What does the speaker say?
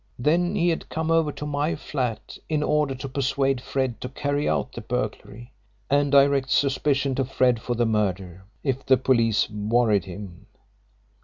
Then he had come over to my flat in order to persuade Fred to carry out the burglary, and direct suspicion to Fred for the murder, if the police worried him.